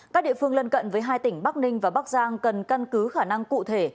các địa phương lân cận với hai tỉnh bắc ninh và bắc giang cần căn cứ khả năng cụ thể